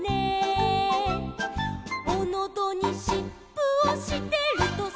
「おのどにしっぷをしてるとさ」